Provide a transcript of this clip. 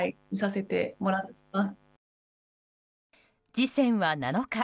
次戦は７日。